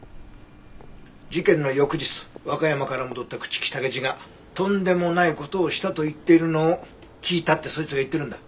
事件の翌日和歌山から戻った朽木武二がとんでもない事をしたと言っているのを聞いたってそいつが言ってるんだ。